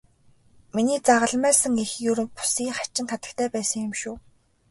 Миний загалмайлсан эх ер бусын хачин хатагтай байсан юм шүү.